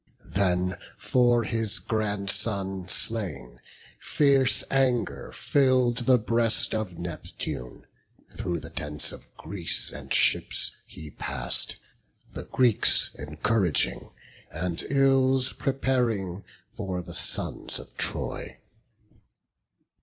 Then, for his grandson slain, fierce anger fill'd The breast of Neptune; through the tents of Greece And ships he pass'd, the Greeks encouraging, And ills preparing for the sons of Troy.